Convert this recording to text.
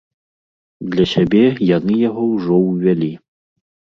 Для сябе яны яго ўжо ўвялі.